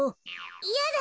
いやだ！